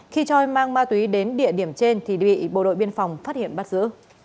khi choi mang ma túy đến địa điểm trên thì bị bộ đội biên phòng phát hiện bắt giữ